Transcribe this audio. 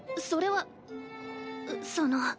それはその。